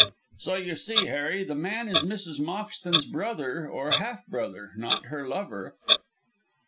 "So you see, Harry, the man is Mrs. Moxton's brother, or half brother not her lover."